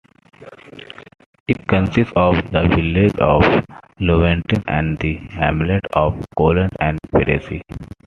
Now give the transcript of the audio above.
It consists of the village of Lovatens and the hamlets of Colans and Prassy.